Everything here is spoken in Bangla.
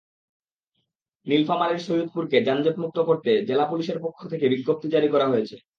নীলফামারীর সৈয়দপুরকে যানজটমুক্ত করতে জেলা পুলিশের পক্ষ থেকে বিজ্ঞপ্তি জারি করা হয়েছে।